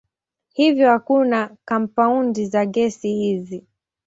Hivyo hakuna kampaundi za gesi hizi.